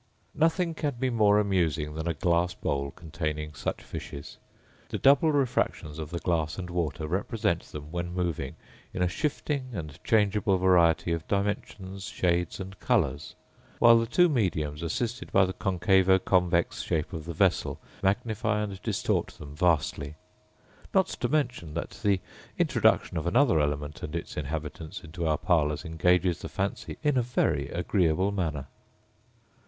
Nothing can be more amusing than a glass bowl containing such fishes: the double refractions of the glass and water represent them, when moving, in a shifting and changeable variety of dimensions, shades, and colours; while the two mediums, assisted by the concavo convex shape of the vessel, magnify and distort them vastly; not to mention that the introduction of another element and its inhabitants into our parlours engages the fancy in a very agreeable manner.